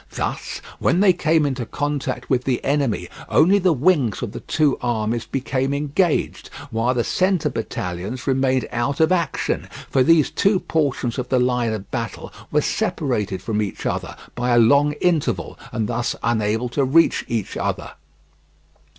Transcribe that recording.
Thus, when they came into contact with the enemy, only the wings of the two armies became engaged, whilst the center battalions remained out of action, for these two portions of the line of battle were separated from each other by a long interval and thus unable to reach each other.